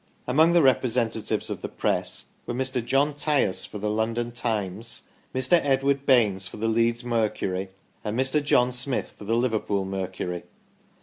Among the representatives of the Press were Mr. John Tyas, for the London "' Times," Mr. Edward Baines for the " Leeds Mercury," and Mr. John Smith for the "Liverpool Mercury".